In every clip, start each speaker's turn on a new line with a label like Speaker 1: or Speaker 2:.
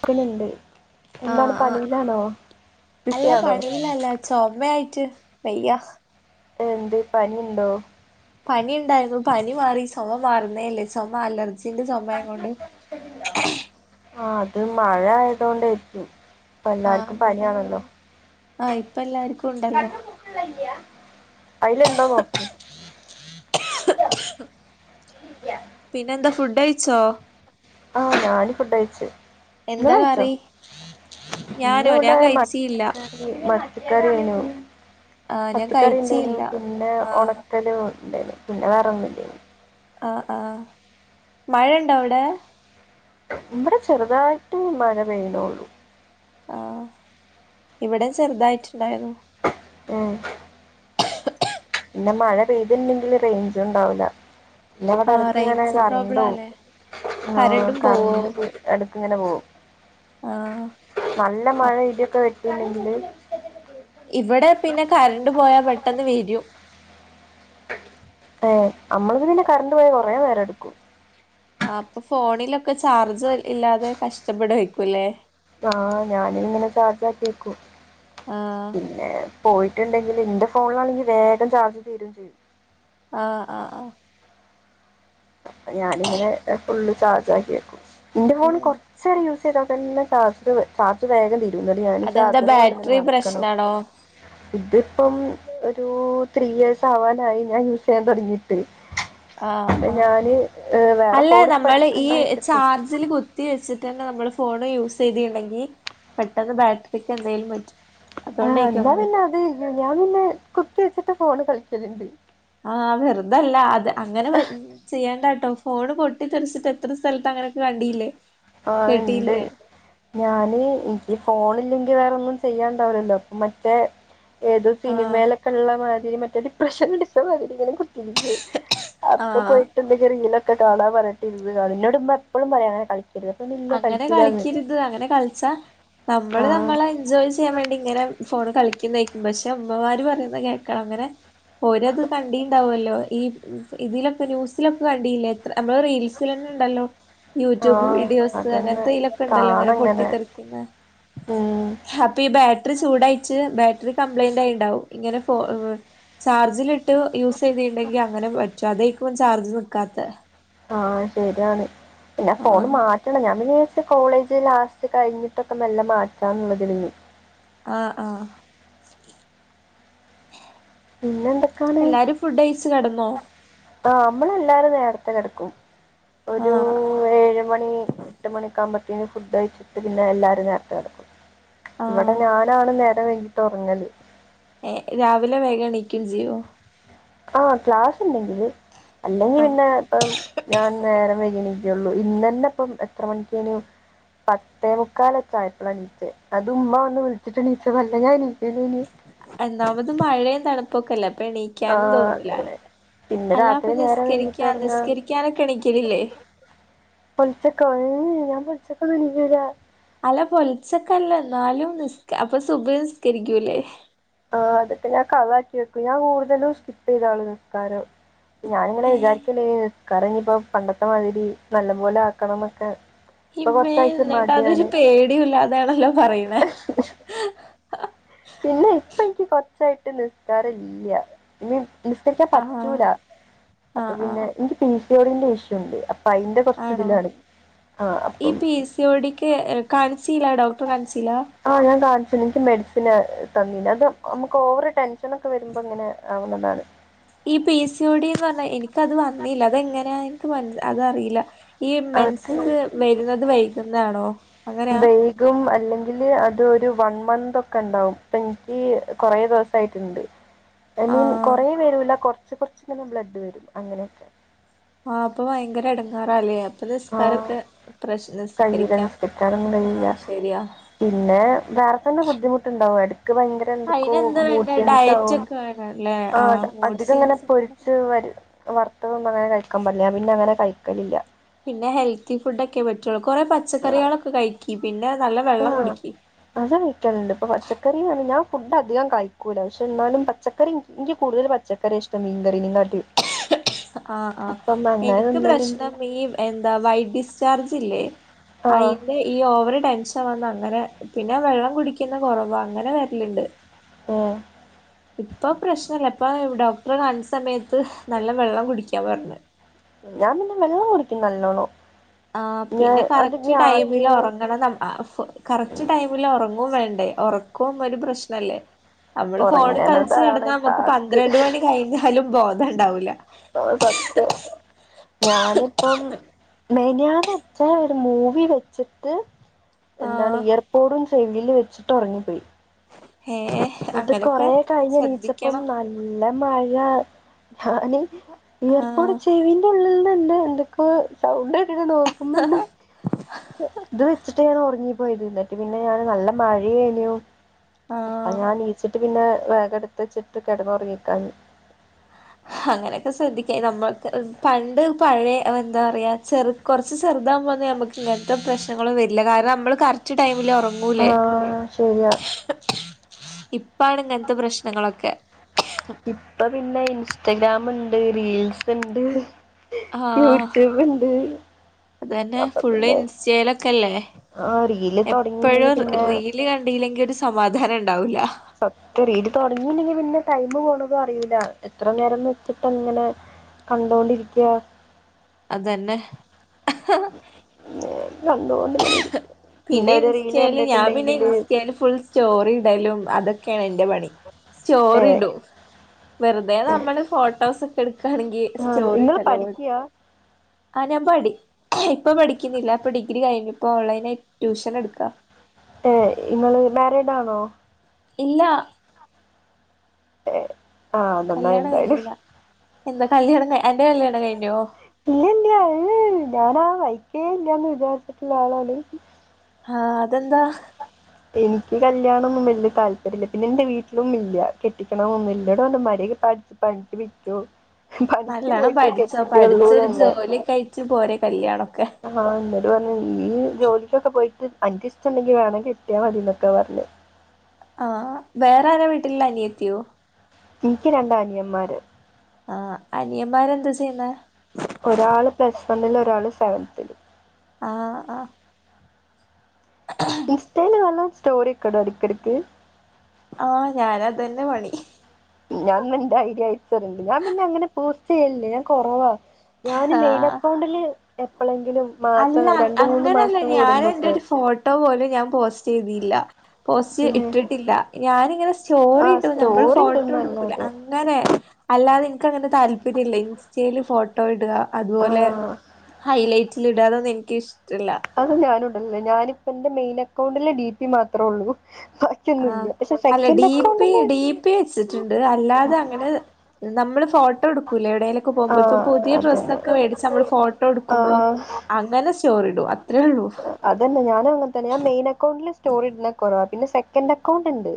Speaker 1: ക്കുന്നുണ്ട് എന്താണ്
Speaker 2: ആഹ് ആഹ്
Speaker 1: പനിയിലാണോ
Speaker 2: അല്ല
Speaker 1: ബിസിയാണോ
Speaker 2: പണില്ലല്ല ചൊമ്മയായിട്ട് വയ്യ
Speaker 1: എന്തെ പനിയിണ്ടോ
Speaker 2: പനി ണ്ടായിരുന്നു പനി മാറി ചൊമ മാറുന്നേല്ല ചൊമ അലർ [unintelligible] ചൊമയും കൊണ്ട്
Speaker 1: ആഹ് അത് മഴ ആയതൊണ്ടായിരിക്കും
Speaker 2: ആഹ്
Speaker 1: ഇപ്പല്ലാർക്കും
Speaker 2: അതന്നെ
Speaker 1: പനിയാണല്ലോ
Speaker 2: തോന്നുന്നു. ആഹ് ഇപ്പ എല്ലാരിക്കും ഒണ്ടല്ലോ
Speaker 1: വെള്ളം ഇല്ല്യ അയില് ണ്ടോ നോക്ക്
Speaker 2: [inaudible] പിന്നെ ന്താ ഫുഡ് കെയ്ച്ചോ
Speaker 1: ആഹ് ഞാന് ഫുഡ് കെയ്ച്ചു
Speaker 2: എന്താ കറി ഞാനോ ഞാൻ കയിച്ചില്ല
Speaker 1: ഈ മത്തികറി ആയിനു
Speaker 2: ആഹ് ഞാൻ
Speaker 1: മത്തിക്കറി ഉണ്ടേനു
Speaker 2: കഴിച്ചില്ല
Speaker 1: പിന്നെ
Speaker 2: ആഹ്
Speaker 1: ഒണക്കല് ണ്ടേനു പിന്നെ വേറെ ഒന്നും ഇല്ലേനു
Speaker 2: ആഹ് ആഹ് മഴയുണ്ടോ അവടെ
Speaker 1: ഇവടെ ചെറുതായിട്ട് മഴ പെയ്യുണോള്ളൂ
Speaker 2: ആഹ് ഇവടേം ചെറുതായിട്ടുണ്ടായിരുന്നു
Speaker 1: ഉം പിന്നെ മഴ പെയ്തിണ്ടെങ്കില് റേയ്ഞ്ച് ഒണ്ടാവില്ല പിന്ന വടെ
Speaker 2: ആഹ്
Speaker 1: എടക്ക് ങ്ങനെ
Speaker 2: റേഞ്ച്
Speaker 1: കറണ്ട് പോവും
Speaker 2: പ്രോബ്ലാല്ലേ
Speaker 1: ആഹ്
Speaker 2: കരണ്ടും പോവോ
Speaker 1: കറണ്ട് എടക്ക് ങ്ങനെ പോവും
Speaker 2: ആഹ്
Speaker 1: നല്ല മഴ ഇടിയോക്കെ വെട്ടുണ്ടെങ്കില്
Speaker 2: ഇവടെ പിന്നെ കറണ്ട് പോയാ പെട്ടെന്ന് വെരും
Speaker 1: ഏഹ് അമ്മളതു പിന്നെ കറണ്ട് പോയാ കൊറേ നേരട്ക്കും
Speaker 2: ആ അപ്പൊ ഫോണിലൊക്കെ ചാർജ് ഇല്ലാതെ കഷ്ടപ്പെടുകയായ്ക്കൂല്ലേ
Speaker 1: ആ ഞാനിങ്ങനെ ചാർജാക്കിവെക്കും.
Speaker 2: ആ
Speaker 1: പിന്നെ പോയിട്ടുണ്ടെങ്കില് എന്റെ ഫോണിലാണെങ്കി വേഗം ചാർജ് തീരുംചെയ്യും.
Speaker 2: ആ ആ ആ
Speaker 1: അപ്പൊ ഞാനിങ്ങനെ ഫുള്ള് ചാർജാക്കി വെക്കും എന്റെ ഫോൺ
Speaker 2: ഉം
Speaker 1: കൊ റച്ചേരം യൂസ്ചെയ്താതന്നെ ചാർജ് വേ ചാർജ് വേഗംതീരും എന്നിട്ട് ഞാന്
Speaker 2: അതെന്താ
Speaker 1: ചാർജറുകൊണ്ടിങ്ങനെ
Speaker 2: ബാറ്ററി
Speaker 1: നടക്കണം
Speaker 2: പ്രശ്നാണോ
Speaker 1: ഇതിപ്പം ഒരു ത്രീ ഇയേഴ്സ് ആവാനായി ഞാൻ യൂസ് ചെയ്യാൻ തൊടങ്ങിയിട്ട്
Speaker 2: ആ ആ
Speaker 1: ഏഹ് വേറെ
Speaker 2: അല്ലാ
Speaker 1: ഫോൺ ഇപ്പ
Speaker 2: നമ്മള്
Speaker 1: എടുക്കണ്ട വെച്ചിട്ട്
Speaker 2: ഈചാർജ് ജിൽ കുത്തിവെച്ചിട്ടുതന്നെ നമ്മള് ഫോൺ യൂസ് ചെയ്തിട്ടുണ്ടെങ്കി പെട്ടെന്ന് ബാറ്ററിക്ക് എന്തേലും പറ്റൊ
Speaker 1: ആ എന്താപിന്നെ അത് ഞാൻ പിന്നെ കുത്തിവെച്ചിട്ട് ഫോണ് കളിക്കലൊണ്ട്
Speaker 2: ആ വെറുതല്ല അത് അങ്ങനെ വര ചെയ്യാണ്ടാട്ടോ ഫോണ് പൊട്ടിത്തെറിച്ചിട്ട് എത്ര സ്ഥലത്ത് അങ്ങനെയൊക്കെ കണ്ടിയില്ലേ
Speaker 1: ആ ഇണ്ട് ഞാനീ എനിക്ക് ഫോണില്ലെങ്കി വേറെയൊന്നും ചെയ്യാണ്ടാവില്ലല്ലോ അപ്പൊ മറ്റേ ഏതോ
Speaker 2: ആഹ്
Speaker 1: സിനിമയിലൊക്കെയൊള്ള മാതിരി മറ്റേ ഡിപ്രഷനടിച്ച മാതിരി ഇങ്ങനെ കുത്തിരിക്കു അപ്പൊ
Speaker 2: ആഹ്
Speaker 1: പോയിട്ട് എന്തെങ്കിലും റീലൊക്കെ കാണാൻ പറഞ്ഞിട്ട് ഇരുന്നുകാണും എന്നൊടുമ്മാ എപ്പോഴും പറയാനെ കളിക്കരുത് അപ്പൊ ഇല്ല
Speaker 2: അങ്ങനെ
Speaker 1: കളിക്കൂലാന്ന്
Speaker 2: കളിക്കരുത് അങ്ങനെ കളിച്ചാ നമ്മള്
Speaker 1: ആ
Speaker 2: നമ്മളെ ജോലി ചെയ്യാൻവേണ്ടി ഇങ്ങനെ ഫോൺ കളിക്കുന്നായിക്കും പക്ഷെ അമ്മമാരുപറയുന്ന കേക്കണം അങ്ങനെ ഓരത് കണ്ടീണ്ടാവല്ലോ ഈ ഇതിലൊക്കെ ന്യൂസിലൊക്കെ കണ്ടില്ലേ എത്ര നമ്മള് റീൽസിലന്നെ ഉണ്ടല്ലോ യൂട്യൂബ്
Speaker 1: ആഹ്
Speaker 2: വീഡിയോസ്
Speaker 1: അതന്നെ
Speaker 2: അങ്ങനെതെയിലൊക്കെ ഒണ്ടല്ലോ അങ്ങനെ
Speaker 1: കാണങ്ങനെ
Speaker 2: പൊട്ടിത്തെറിക്കുന്നെ
Speaker 1: ഉം
Speaker 2: അപ്പൊ ഈ ബാറ്ററി ചൂടായിച്ച് ബാറ്ററി കംപ്ലൈന്റായിണ്ടാവും ഇങ്ങനെ ഫോ ചാർജിലിട്ട് യൂസ് ചെയ്തിട്ടണ്ടെങ്കി അങ്ങനെ പറ്റോ അതയ്ക്കു ചാർജ് നിക്കാത്ത
Speaker 1: ആ ശെരിയാണ് പിന്നെ ഫോണ്
Speaker 2: ആഹ്
Speaker 1: മാറ്റണം ഞാൻ പിന്നെ പ്പ കോളേജ് ലാസ്റ്റ് കഴിഞ്ഞിട്ടൊക്കെ മെല്ലെ മാറ്റാന്നുള്ളതാഞ്ഞു
Speaker 2: ആ ആ
Speaker 1: പിന്നെ
Speaker 2: എല്ലാരും ഫുഡ് കഴിച്ചുകെടന്നോ
Speaker 1: ആ നമ്മളെല്ലാരും നേരത്തെകെടക്കും ഒരു
Speaker 2: ആഹ്
Speaker 1: ഏഴുമണി എട്ടുമണിയൊക്കെയാകുമ്പത്തേന് ഫുഡ്കഴിച്ചിട്ട് പിന്നെ എല്ലാവരും നേരത്തെകെടക്കും ഇവിടെ
Speaker 2: ആഹ്
Speaker 1: ഞാനാണ് നേരംവൈകീട്ട് ഒറങ്ങല്
Speaker 2: ഏ രാവിലെ വേഗം എണീക്കും ചെയ്യൊ
Speaker 1: ആ ക്ലാസൊണ്ടെങ്കില് അല്ലെങ്കി
Speaker 2: ആഹ്
Speaker 1: പിന്നെ അപ്പം ഞാൻ നേരം വൈകിയെണിക്കൊള്ളൂ ഇന്നന്നെയിപ്പം എത്ര മണിക്കന്നെയാ പത്തേ മുക്കാലൊക്കെയായപ്പളാണീച്ചേ അതുമ്മാ വന്നുവിളിച്ചിട്ടെനീച്ചതല്ല ഞാൻ എനീക്കണയിനി
Speaker 2: ഒന്നാമത് മഴയും തണുപ്പൊക്കെയല്ലേ പ്പ
Speaker 1: ആ
Speaker 2: എണീക്കാനും തോന്നൂലാല്ലേ
Speaker 1: തന്നെ പിന്നെ
Speaker 2: അല്ലാ അപ്പൊ
Speaker 1: രാത്രി നേരം വൈകിട്ട്
Speaker 2: നിസ്കരിക്കാ
Speaker 1: ഉറങ്ങാ
Speaker 2: നിസ്കരിക്കാനൊക്കെയെണിക്കലില്ലേ
Speaker 1: പൊളിച്ചക്കോ ഹേ ഞാൻ പൊളിച്ചക്കൊന്നും എണീക്കൂലാ
Speaker 2: അല്ല പൊലിച്ചക്കല്ലാ എന്നാലും നിസ്കാ അപ്പൊ സുബഹി നിസ്കരിക്കൂല്ലേ
Speaker 1: ആ അതൊക്കെ ഞാൻ കളാക്കിവെക്കും ഞാൻ കൂടുതലും സ്കിപ്പ് ചെയ്താണ് നിസ്ക്കാരം ഞാനിങ്ങനെ
Speaker 2: ഏഹ്
Speaker 1: വിചാരിക്കല്ലേ നിസ്കാരം ഇനിയിപ്പം പണ്ടത്തെമാതിരി നല്ല പോലെയാക്കണംന്നൊക്കെ
Speaker 2: ഇമ്മേ എന്നിട്ടതൊരു പേടിയില്ലാതാണല്ലോ പറയണേ
Speaker 1: പിന്നെയിപ്പം എനിക്കുകൊറച്ചായിട്ട് നിസ്കാരം ഇല്ല ഇന്ന് നിസ്കരിക്കാൻ
Speaker 2: ആഹ്
Speaker 1: പറ്റൂല
Speaker 2: ആഹ്
Speaker 1: അപ്പൊപിന്നെ
Speaker 2: ആഹ്
Speaker 1: എനിക്ക് പി സി ഓടീന്റേ ഇഷ്യുണ്ട് ഫൈന്റെ കുറച്ച് ഇതിലാണ് ആ അപ്പം
Speaker 2: പിസി ഓ ടി ക്ക് കാണിചില്ല ഡോക്ടർ കാണിച്ചില്ല
Speaker 1: ആഹ് ഞാൻ കാണിച്ച എനിക്ക് മെഡിസിന് തന്നീനി അത് നമുക്ക് ഓവറ് ടെൻഷനൊക്കെ വരുമ്പോ ഇങ്ങനെ ആവുന്നുടർന്ന്
Speaker 2: ഈ പി എസ് സി ഓടിന്ന് പറഞ്ഞാൽ എനിക്കത് വന്നില്ല അത എങ്ങനെയ എനിക്ക് അത്റിയില്ല ഈ
Speaker 1: അത്
Speaker 2: മൻസ് വരുന്നത് വൈകുന്നതാണോ അങ്ങനെയാ
Speaker 1: ഇതും അല്ലെങ്കി അത ഒരു വൺ മന്ത് ഒക്കെ ഉണ്ടാവും അപ്പൊ എനിക്ക് കുറെ ദിവസയിട്ടുണ്ട് ഐ മീൻ
Speaker 2: ആഹ്
Speaker 1: കുറേ വരൂല്ല കുറച്ച് കുറച്ചങ്ങനെ ബ്ലഡ് വരും അങ്ങനെയൊക്കെ
Speaker 2: ആഹഹ് അപ്പൊ ഭയങ്കര ഇടങ്ങാറാലേ അപ്പ
Speaker 1: ആ
Speaker 2: നിസ്കാരക്കെ പ്രശ്നസ്
Speaker 1: കഴിയില്ല
Speaker 2: നിസ്കരിക്കാം
Speaker 1: നിസ്കരിക്കാനൊന്നും കഴിയില്ല.
Speaker 2: ആ ശരിയാ
Speaker 1: പിന്നെ വേറെ തന്നെ ബുദ്ധിമുട്ടുണ്ടാവും എടക്ക് ഭയങ്കര എന്തൊക്കോ
Speaker 2: അയിനെന്താ വേണ്ടേ ഡയറ്റ്
Speaker 1: മൂട്സെൻസവും
Speaker 2: ഒക്കെ വേണല്ലേ ആഹ് മൂഡ്
Speaker 1: അധികം ഇങ്ങനെ
Speaker 2: സ്വിങ്സ് ഒക്കെ
Speaker 1: പൊരിച്ച് വരും വർത്തവൊന്നും അങ്ങനെ കഴിക്കാൻ പില്ല പിന്നെ അങ്ങനെ കഴിക്കലില്ല
Speaker 2: പിന്നെ ഹെൽത്തി ഫുഡ ഒക്കെ പറ്റുള്ളൂ കുറെ പച്ചക്കറികളൊക്കെ കഴിക്കി പിന്നെ നല്ല വെള്ളം കുടിക്കി
Speaker 1: അതാ കഴിക്കാനുണ്ട് ഇപ്പൊ പച്ചക്കറാണ് ഞാൻ ഫുഡ് അധികം കഴിക്കൂല പക്ഷെ എന്നാലും പച്ചക്കറി എനിക്ക് കൂടുതൽ പച്ചക്കറി ഇഷ്ടം മീങ്കറിങ്ങാട്ടി
Speaker 2: [unintelligible] ആഹ് ആഹ്
Speaker 1: അങ്ങനെ
Speaker 2: എനിക്ക്
Speaker 1: തിന്നലുണ്ട്
Speaker 2: പ്രശ്നം ഈ എന്താ വൈഡ് ഡിസ്ചാർജ് ഇല്ലേ
Speaker 1: ആഹ്
Speaker 2: അയില്ലെ ഈ ഓവർ ടെൻഷൻ വന്ന് അങ്ങനെ പിന്നെ വെള്ളം കുടിക്കുന്ന കുറവാ അങ്ങനെ വരിലണ്ട്
Speaker 1: ഓഹ്
Speaker 2: ഇപ്പൊ പ്രശ്നല്ല ഇപ്പൊ ഡോക്ടർ കാണ്ച്ച സമയത്ത് നല്ല വെള്ളം കുടിക്കാ പറഞ്ഞു
Speaker 1: ഞാൻ പിന്നെ വെള്ളം കുടിക്കും നല്ലോണം
Speaker 2: ആഹ്
Speaker 1: ഞാൻ
Speaker 2: പിന്നെ കറക്റ്റ്
Speaker 1: അതൊക്കെ
Speaker 2: ടൈമിൽ
Speaker 1: ആദ്യം
Speaker 2: ഉറങ്ങണം കറക്റ്റ് ടൈ ല ഉറങ്ങും വേണ്ടേ ഉറക്കവും ഒരു പ്രശ്നല്ലേ നമ്മള് ഫോണ് കളിച്ച്
Speaker 1: ഉറങ്ങണതാണ്
Speaker 2: നടന്നാ നമ്മുക്ക്
Speaker 1: ടാസ്ക്.
Speaker 2: പന്ത്രണ്ട് മണി കഴിഞ്ഞാലും ബോധം ഉണ്ടാവൂല്ല
Speaker 1: ആ സത്യം ഞാനിപ്പം മേ ഞാൻ വച്ചാ ഒരു മൂവി വെച്ചിട്ട് എന്താണ്
Speaker 2: ആഹ്
Speaker 1: ഇയർ [unintelligible] ചെവിയിൽ വെച്ചിട്ട് ഉറങ്ങിപ്പോയി
Speaker 2: ഏഹ്
Speaker 1: എന്നിട്ട് കൊറെ
Speaker 2: അങ്ങനൊക്കെ
Speaker 1: കഴിഞ്ഞണീച്ചപ്പം
Speaker 2: ശ്രദ്ധിക്കണം
Speaker 1: നല് നല്ല മഴ ഞാന് യർപോട്
Speaker 2: ആഹ്
Speaker 1: ചെവി ള്ളണ്ട് എന്തൊക്ക സൗണ്ട് കേട്ടിട്ട് നോക്കുമ്പോണ്ട് ഇത് വെച്ചിട്ട് ഞാൻ ഉറങ്ങിപ്പോയത് എന്നിട്ട് പിന്നെ ഞാൻ നല്ല മഴ ഏനു അപ്പ
Speaker 2: ആഹ്
Speaker 1: ഞാൻ നീച്ചിട്ട് പിന്നെ വേഗ എടുത്ത വച്ചിട്ട് കിടന്നുറങ്ങക്കാന്ന്
Speaker 2: അങ്ങനെയൊക്കെ ശ്രദ്ധിക്ക നമ്മൾക്ക് പണ്ട് പഴയ എന്താ പറയാ ചെറു കുറച്ച് ചെറുതാൻ പോക നമുക്കു ഇങ്ങനെത്തെ പ്രശ്നങ്ങളും വരില്ല കാരണം നമ്മള് കറക്റ്റ് ടൈമിൽ ഉറ ലേ
Speaker 1: ആഹ് ശരിയാ
Speaker 2: ഇപ്പാണ് ഇങ്ങനത്തെ പ്രശ്നങ്ങളൊക്കെ
Speaker 1: ഇപ്പൊ പിന്നെ ഇൻസ്റ്റഗ്രാം ഉണ്ട് റീൽസ് ഉണ്ട് യൂട്യൂബ് ണ്ട്
Speaker 2: അത് തന്നെ ഫുള്ള് ഇൻസ്റ്റലൊക്കെല്ലേ
Speaker 1: ആ റീല് തുടങ്ങിയില്ലെങ്കിൽ
Speaker 2: എപ്പോഴും
Speaker 1: പിന്നെ
Speaker 2: റീൽ ല് കണ്ടില്ലെങ്കി ഒരു സമാധാനം ഉണ്ടാവുല്ല
Speaker 1: സത്യ രീൽ തുടങ്ങിയില്ലെങ്കി പിന്നെ ടൈമ് പോണതും അറിയില്ല എത്ര നേരം വെച്ചിട്ട് അങ്ങനെ കണ്ടുകൊണ്ടിരിക്ക
Speaker 2: അതന്നെ
Speaker 1: കണ്ടുകൊണ്ട് ഇങ്ങനെ ഇരിക്ക
Speaker 2: പിന്നെ ഇൻസ്റ്റൽ ഞാൻ പിന്നെ ഇൻസ്റ്റൽ ഫുൾ സ്റ്റോറിടലും അതൊക്കെയാണ് എന്റെ പണി സ്റ്റോറിടും വെറുതെ നമ്മള് ഫോട്ടോസ് ഒക്കെ എടുക്കയാണെങ്കിൽ സ്റ്റോറി
Speaker 1: നിങ്ങൾ
Speaker 2: ഉണ്ടല്ലോ
Speaker 1: പഠിക്കുക
Speaker 2: ആഹ് ഞാൻ പഠി ഇപ്പൊ പഠിക്കുന്നില്ല ഇപ്പൊ ഡിഗ്രി കഴിഞ്ഞു ഇപ്പ ഓൺലൈനായി ട്യൂഷൻ എടുക്ക
Speaker 1: ഏ നിങ്ങള് മാരീഡ് ആണോ
Speaker 2: ഇല്ല
Speaker 1: ഏ
Speaker 2: കല്യാണം കഴിഞ്ഞില്ല എന്താ കല്യാണം അന്റെ കല്യാണം കഴിഞ്ഞോ?
Speaker 1: ഇല്ല ഇല്ല ഏയ് ഞാൻ ആ വഴിക്കേ ഇല്ലന്ന് വിചാരിച്ചിട്ടുള്ള ആളാണ്
Speaker 2: ഹാ അതെന്താ?
Speaker 1: എനിക്ക് കല്യാണമൊന്നും വലിയ താല്പര്യമില്ല പിന്നെ എന്റെ വീട്ടിലും ഇല്യാ കെട്ടിക്കണംമൊന്നും ഇല്ല മര്യാദക്ക് പടി പണിക്ക് പൊയ്ക്കോ പണിക്ക്
Speaker 2: നല്ലോണം
Speaker 1: പോയിട്ടേ കെട്ടിക്കോള്ളുന്ന്ണ്ട്
Speaker 2: ച്ചു പോരെ കല്യാണൊക്കെ
Speaker 1: ആഹ് എന്നോട് പറഞ്ഞത് നീ ജോലിക്കൊക്കെ പോയിട്ട് അനക്കിഷ്ടമുണ്ടെങ്കിൽ വേണങ്കിൽ കെട്ടിയാൽ മതി എന്നൊക്കെ പറഞ്ഞ
Speaker 2: ആ വേറെരാ വീട്ടിൽ ഉള്ളെ അനിയ ത്തിയോ
Speaker 1: എനിക്ക് രണ്ട് അനിയന്മാര്
Speaker 2: ആഹ് അനിയന്മാര് എന്താ ചെയ്യുന്നെ
Speaker 1: ഒരാള് പ്ലസ് വണ്ണില് ഒരാള് സെവൻതില്
Speaker 2: ആഹ് ആഹ് [inaudible]
Speaker 1: ഇൻസ്റ്റേല് വല്ല സ്റ്റോറി ഒക്കെടോ ഇടക്കെടക്ക്
Speaker 2: ആഹ് ഞാൻ അതന്നെ പണി
Speaker 1: ഞാൻന്നാ ഇന്റെ ഐഡി അയച്ചരണ്ട് ഞാൻ പിന്നെ അങ്ങനെ പോസ്റ്റ് ചെയ്യലില്ല ഞാൻ കൊറവാ ഞാന്
Speaker 2: ആ
Speaker 1: മെയിൻ അക്കൗണ്ടില് എപ്പളെങ്കിലും
Speaker 2: അല്ല അങ്ങനെയല്ല ഞാൻ എന്റെ ഒരു ഫോട്ടോ പോലും ഞാൻ പോസ്റ്റ് ചെയ്തില്ല പോസ്റ്റ്
Speaker 1: പിന്നെ
Speaker 2: ഇട്ടിട്ടില്ല ഞാനിങ്ങനെ സ്റ്റോറി
Speaker 1: ആഹ്
Speaker 2: ഇടു നമ്മള്
Speaker 1: സ്റ്റോറി
Speaker 2: ഫോട്ടോ എടുക്കൂല
Speaker 1: ഇടുന്നല്ലാതെ
Speaker 2: അങ് അങ്ങനെ അല്ലാതെ എനിക്ക് അങ്ങനെ താല്പര്യല്ല ഇൻസ്റ്റയിൽ ഫോട്ടോ ഇടുക അതുപോലെ
Speaker 1: ആഹ്
Speaker 2: ഹൈലൈറ്റിൽ ഇട അതൊന്നും എനക്ക് ഇഷ്ടല്ല
Speaker 1: അത് ഞാനുടല്ല ഞാനിപ്പന്റെ മെയിൽ അക്കൗണ്ടില് ഡി പി മാത്രോള്ളൂ
Speaker 2: ആഹ് അല്ല ഡി പി
Speaker 1: അക്കൗണ്ടില്
Speaker 2: ഡി പി വെച്ചിട്ടുണ്ട് അല്ലാതെ അങ്ങനെ നമ്മള് ഫോ ട്ടോ എടുക്കൂലെ എവിടെേലൊക്കെ പോകുമ്പൊ ഇപ്പൊ
Speaker 1: ആഹ്
Speaker 2: പുതിയ ഡ്രസ്സ്
Speaker 1: അതന്നെ
Speaker 2: ഒക്കെ മേടിച്ചാ മ്മള് ഫോട്ടോ എടുക്കുമ്പോ
Speaker 1: ആഹ്
Speaker 2: അങ്ങനെ സ്റ്റോറിടു അത്രേള്ളു
Speaker 1: അതന്നെ ഞാനും അങ്ങന തന്നെ ഞാൻ മെയിൻ അക്കൗണ്ടില് സ്റ്റോറി ഇടുന്ന കുറവ പിന്നെ സെക്കൻ് അക്കൗണ്ട് ഉണ്ട്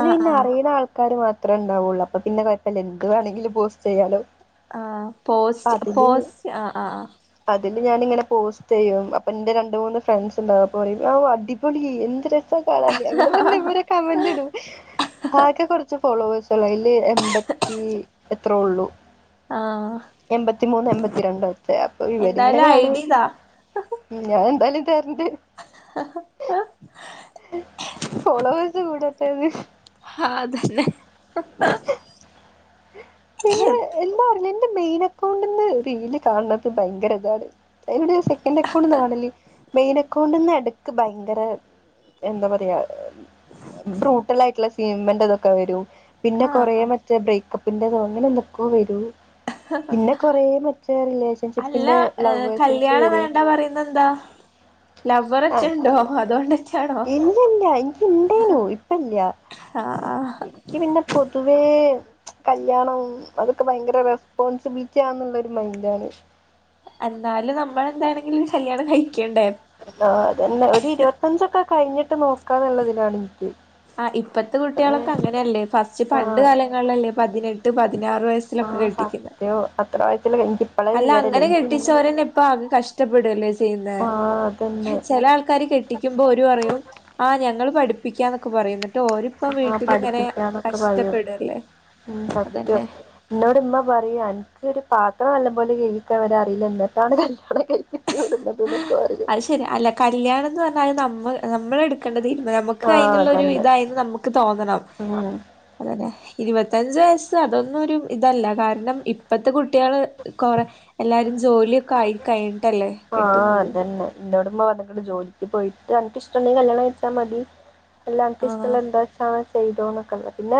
Speaker 2: ആ
Speaker 1: പിന്നെ
Speaker 2: ആ
Speaker 1: അറിയുന്ന ആൾക്കാര് മാത്രമേ ഉണ്ടാവുള്ളൂ അപ്പൊ പിന്നെ കുഴപ്പമില്ല എന്ത് വേണമെങ്കിലും പോസ്റ്റ് ചെയ്യാലോ
Speaker 2: ആ
Speaker 1: അപ്പൊ
Speaker 2: പോസ്റ്റ്
Speaker 1: അതില്
Speaker 2: പോസ്റ്റ് ആ ആ
Speaker 1: അതില് ഞാനിങ്ങനെ പോസ് ചെയ്യും അപ്പൊ എന്റെ രണ്ട് മൂന്ന് ഫ്രണ്ട്സ് ഇണ്ട് അപ്പോ പറയും അടിപൊളി എന്ത് ര സാ കാണാന് അങ്ങനെ പറഞ്ഞ്
Speaker 2: ആഹ്
Speaker 1: ഇവര് കമന്റ് ഇടും ആക്കെ കുറച്ച് ഫോളോവേഴ്സുള്ളു അയില് എൺമ്പത്തി എത്രൊള്ളു
Speaker 2: ആഹ്
Speaker 1: എൺമ്പത്തി മൂന്ന് എൺമ്പത്തിരണ്ടൊറ്റം അപ്പൊ ഇവരിങ്ങനെ
Speaker 2: എന്തായാലും
Speaker 1: കാണൂ
Speaker 2: ഐഡിതാ
Speaker 1: ഞാൻ എന്തായാലും തരണ്ട്
Speaker 2: [inaudible]
Speaker 1: ഫോളോവേസ് കൂടട്ടെന്ന്
Speaker 2: ഹാതെന്നെ [inaudible]
Speaker 1: പിന്നെ എന്താ അറില്ല എന്റെ മെയിൻ അക്കൗണ്ട്ന്ന് റീൽ കാണന്നത് ഭയങ്കര ഇതാണ് അയിനിടെ സെക്കൻ് അക്കൗണ്ട്ന്ന് കാണല് മെയിൻ അക്കൗണ്ട്ന്ന് എടുക്ക് ഭയങ്കര എന്താ പറയാ ബ്രൂട്ടലായിട്ടുള്ള സീനിമെന്റ് അതൊക്കെ വരും പിന്നെ കൊറ
Speaker 2: ആഹ്
Speaker 1: മറ്റേ ബ്രേ കപ്പിൻ്റെതോ അങ്ങനെ എന്തൊക്കൊ വരും പിന്നെ കൊറ മറ്റേ
Speaker 2: അല്ല
Speaker 1: റിലേഷൻഷിപ്പിന്റെ
Speaker 2: ഏ,
Speaker 1: ലവ്വേഴ്സിൻ്റത് വരു
Speaker 2: ലവ്വറെറ്റണ്ടൊ അതോണ്ടെറ്റാണോ
Speaker 1: ഇല്ലില്ല എനിക്ക്
Speaker 2: ആഹ്
Speaker 1: ഇണ്ടേനു
Speaker 2: ആഹ്
Speaker 1: ഇക്കി പിന്നെ പൊതുവേ കല്ല്യാണവും അതൊക്കെ ഭയങ്കര റെസ്പോൺസിബിലിറ്റി ആണ്ന്നുള്ളരു മൈൻഡ് ആണ്
Speaker 2: എന്നാലും നമ്മളെന്താണെങ്കിലും കല്യാണം കയിക്കണ്ടേ
Speaker 1: ആ അതന്നെ ഒരു ഇരുപത്തഞ്ചൊക്കെ കഴിഞ്ഞിട്ട് നോക്കാന്നുള്ളതിനാണ്
Speaker 2: ആ ഇപ്പത്തെ കുട്ടികളൊക്കെ അങ്ങനെയല്ലേ ഫസ്റ്റ്
Speaker 1: ആ
Speaker 2: പണ്ട് കാലങ്ങളിലല്ലേ പതിനെട്ട് പതിനാറ് വയസ്
Speaker 1: ആഹ് സത്യോ അത്ര വയസ്സില്ല എനി
Speaker 2: അല്ല അങ്ങനെ കെട്ടിച്ചോരന്നെ ഇപ്പ ആകെ കഷ്ടപ്പെടല്ലേ ചെയ്യിന്നേ
Speaker 1: ആ അതന്നെ
Speaker 2: ചെല ആൾക്കാര് കെട്ടിക്കുമ്പോ ഒരു പറയും ആ ഞങ്ങൾ പഠിപ്പിക്കാന്നൊക്കെ പറയുന്നു ന്നി ന്നിട്ട് ഓരിപ്പം
Speaker 1: ആ
Speaker 2: വീട്ടിലിങ്ങനെ
Speaker 1: പഠിപ്പിക്കാന്നൊക്കെ പറയും
Speaker 2: കഷ്ടപ്പെടല്ലേ അതന്നെ
Speaker 1: ഇന്നോടിമ്മ പറയൂ അനക്കൊരു പാത്രം നല്ലം പോലെ കേകിക്കാൻ അവരെ അറിയില്ല എന്നിട്ടാണ് കല്യാണം കയി ച്ചിട്ന്നത്ക്കെ പറയും
Speaker 2: അത് ശരി അല്ല കല്യാണം എന്ന് പറഞ്ഞാൽ നമ്മൾ നമ്മള എടു കണ്ടതീർന്ന് നമുക്ക്
Speaker 1: ആ
Speaker 2: അയ്നുള്ള ഒരു
Speaker 1: അതന്നെ
Speaker 2: ഇതായന്ന് നമുക്ക് തോന്നണം
Speaker 1: ഉം
Speaker 2: അതന്നെ ഇരുപത്തഞ്ച് വയസ്സ് അതൊന്നും ഒരു ഇതല്ല കാരണം ഇപ്പത്തെ കുട്ടികള് കൊറെ എല്ലാരും ജോലിയൊക്കെ ആയി കഴിഞ്ഞിട്ടല്ലേ
Speaker 1: ആഹ്
Speaker 2: കെട്ടുന്നത്
Speaker 1: അതന്നെ ഇന്നോട് മ്മ പർഞ്ഞ് ക്ക്ണ് ജോലിക്ക് പോയിട്ട് അൻക്കിഷ്ടണ്ടെങ്കി കല്യാണം കഴിച്ചാ മതി എല്ലാംർക്കും
Speaker 2: ആഹ്
Speaker 1: ഇഷ്ടുള്ള എന്താച്ചാ ചെയ്തോന്നൊക്കത് പിന്നെ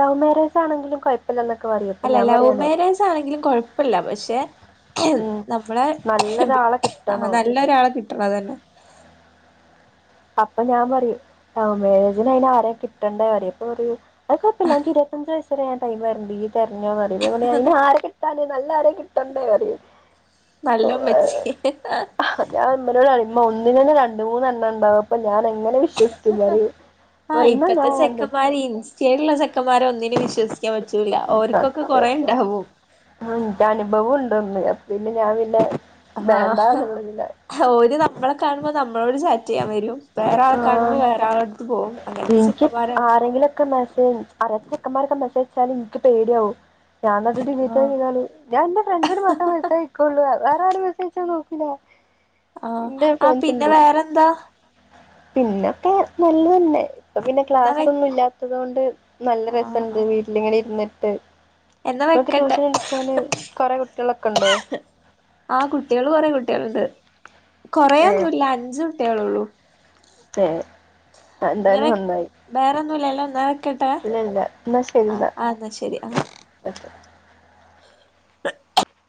Speaker 1: ലവ് മാരേജ് ആണെങ്കിലും കൊഴ്- പല്ലന്നൊക്കെ പറയും അപ്പൊ
Speaker 2: അല്ല
Speaker 1: ഞാൻ
Speaker 2: ലൗ
Speaker 1: പറയാണ്
Speaker 2: മേരേജാണെങ്കിലും കുഴപ്പില്ല പക്ഷെ
Speaker 1: ഉം
Speaker 2: നമ്മളെ
Speaker 1: നല്ലൊരാളെ
Speaker 2: ആ
Speaker 1: കിട്ടണം
Speaker 2: നല്ലൊരാളെ കിട്ടണം അതന്നെ
Speaker 1: അപ്പൊ ഞാൻ പറയൂ ലൗ മേരേജിനയ് നാരെ കിട്ടണ്ടേ അപ്പ പറയു അത് കൊയ്പ്പില്ല അൻക് ഇരുപത്തഞ്ച് വയസ്സരെ ടൈമരണ്ട് ഇജ്ജ് തെർഞ്ഞോ പ്പഞാ പർഞ്ഞ് അയ്നാരെ കിട്ട താനെ നല്ലാരെ കിട്ടണ്ടേ ന്നറിം
Speaker 2: നല്ലമ്മച്ചി
Speaker 1: ഞാൻ ഉമ്മനോടറിം മ്മ ഒന്നിനന്നെ രണ്ട് മൂന്നെണ്ണണ്ടാവും അപ്പൊ ഞാനെങ്ങനെ വിശ്വസി ന്നറിം പ്പറിം ന്നാ ഞാൻ കണ്ടുട്ച്ചെരാ
Speaker 2: ചേലുള്ള ചെക്കന്മാരെ ഒന്നിനും വിശ്വസിക്കാൻ പറ്റൂല്ല ഓർക്കൊക്കെ കുറെണ്ടാവൂ
Speaker 1: ന്റെ അനുഭവം ഉണ്ടോന്ന് അപ്പിന്ന ഞാനൊന്ന്
Speaker 2: ആഹ് ഓര് നമ്മളെ കാണുമ്പോ നമ്മളോട് ചാറ്റ് ചെയ്യാൻ വരും വേറെ ആൾ
Speaker 1: ആഹ്
Speaker 2: കാണുമ്പോ വേറെ ആള എടുത്ത് പോവും അങ്ങൻത്തെ
Speaker 1: എനിക്ക്
Speaker 2: ചെക്കമാരാ
Speaker 1: ആരെങ്കിലൊക്കെ മെസേജ് അറിയാത്ത ചെക്കന്മാരക്കെസ്സേജയ്ച്ചാല് എനിക്ക് പേടിയാവും ഞാൻ ന്നട്ട് ഡിലീറ്റ്
Speaker 2: ആഹ്
Speaker 1: ചെയ്താൽ ഞാൻന്റെ ഫ്രണ്ട്സിന് മാത്രേ മെസ്സജ് അയ്കൊള്ളൂ വേറെ ആ മെസ്സജ്ച്ചാ നോക്കൂല എന്റെ
Speaker 2: ആഹ്
Speaker 1: ഫ്രണ്ട്സ്
Speaker 2: പിന്നെ
Speaker 1: ഉണ്ട്
Speaker 2: വേറെന്താ
Speaker 1: പിന്നൊക്കെ നല്ലതന്നെ പ്പൊ പിന്നെ
Speaker 2: എന്നാ വെ
Speaker 1: ക്ലാസ്ന്നും ഇല്ലാത്തത് കൊണ്ട് നല്ല
Speaker 2: ആഹ്
Speaker 1: രസണ്ട്
Speaker 2: ആഹ്
Speaker 1: വീട്ടിലിങ്ങനെ ഇരുന്നിട്ട്
Speaker 2: എന്നാ
Speaker 1: പ്പോ ഓക്ക്
Speaker 2: വെക്കട്ടെ
Speaker 1: ട്യൂഷൻ എടുക്കാന് കൊറെ കുട്ട്യാളൊക്കെ ഉണ്ടോ
Speaker 2: ആഹ് കുട്ട്യാൾ കൊറെ കുട്ടികൾ ണ്ട്
Speaker 1: ഏഹ്
Speaker 2: കൊറേന്നുല്ല അഞ്ച് കുട്ട്യാളള്ളു
Speaker 1: ഏഹ്
Speaker 2: ഇന്നലെ
Speaker 1: എന്തായാലും നന്നായി
Speaker 2: ബേറെ ഒന്നുല്ലല്ലോ ന്ന വെക്കട്ടെ
Speaker 1: ഇല്ലല്ല എന്നാ
Speaker 2: ആഹ്
Speaker 1: ശരിന്നാ
Speaker 2: എന്നാ ശരി ആ
Speaker 1: ഓക്കേ
Speaker 2: [inaudible]